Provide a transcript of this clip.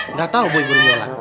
nggak tahu bu ibu yola